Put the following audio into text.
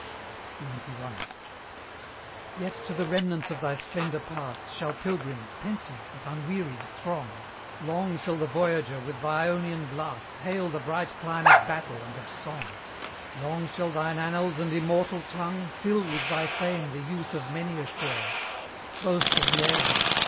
XCI. Yet to the remnants of thy splendour past Shall pilgrims, pensive, but unwearied, throng: Long shall the voyager, with th' Ionian blast, Hail the bright clime of battle and of song; Long shall thine annals and immortal tongue Fill with thy fame the youth of many a shore: Boast of the aged!